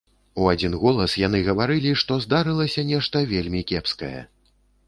У адзін голас яны гаварылі, што здарылася нешта вельмі кепскае.